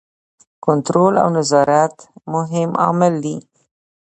کنټرول او نظارت مهم عامل دی.